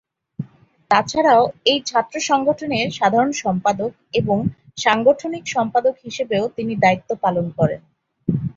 তাছাড়াও এই ছাত্র সংগঠনের সাধারণ সম্পাদক এবং সাংগঠনিক সম্পাদক হিসেবেও তিনি দায়িত্ব পালন করেন।